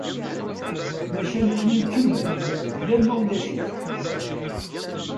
Maca nekkni nkemmel, ula ma ulac-it.